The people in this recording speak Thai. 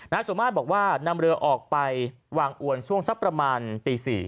นายสมมาตย์บอกว่านำเรือออกไปวางอวนตรงสักประมาณสักกันตี๔